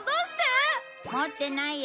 持ってないよ。